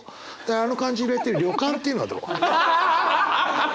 あの漢字入れて「旅舘」っていうのはどう？